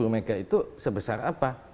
seribu megawatt itu sebesar apa